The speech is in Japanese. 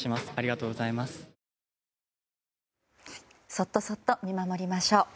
そっとそっと見守りましょう。